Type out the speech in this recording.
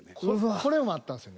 これもあったんすよね。